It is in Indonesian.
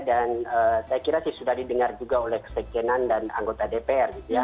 dan saya kira sudah didengar juga oleh kesekjenan dan anggota dpr